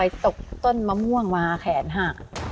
ตกต้นมะม่วงมาแขนหัก